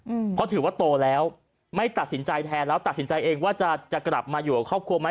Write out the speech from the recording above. อืมเพราะถือว่าโตแล้วไม่ตัดสินใจแทนแล้วตัดสินใจเองว่าจะจะกลับมาอยู่กับครอบครัวไหม